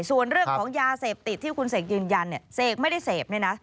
ส่วนเรื่องของยาเสพติดที่คุณเสกยืนยันเนี่ยเสกไม่ได้เสพเนี่ยนะ